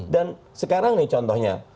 dan sekarang nih contohnya